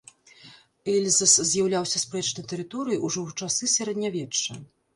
Эльзас з'яўляўся спрэчнай тэрыторыяй ужо ў часы сярэднявечча.